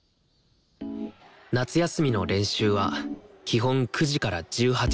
夏休みの練習は基本９時から１８時。